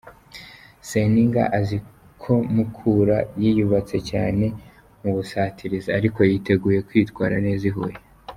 Seninga azi ko Mukura yiyubatse cyane mu busatirizi, ariko yiteguye kwitwara neza i Huye.